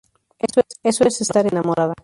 Eso es estar enamorada.